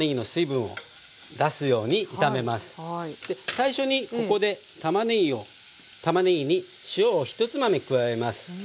最初にここでたまねぎに塩を１つまみ加えます。